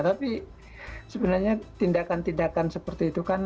tapi sebenarnya tindakan tindakan seperti itu kan